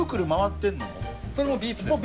これもビーツですね